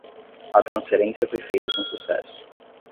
A transferência foi feita com sucesso